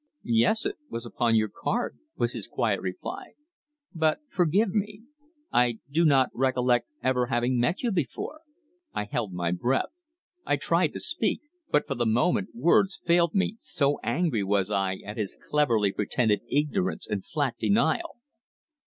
"Yes. It was upon your card," was his quiet reply. "But, forgive me, I do not recollect ever having met you before!" I held my breath. I tried to speak, but for the moment words failed me, so angry was I at his cleverly pretended ignorance and flat denial.